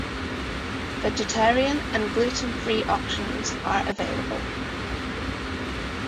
Vegetarian and gluten free options are availabl.